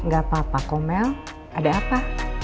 gak apa apa komel ada apa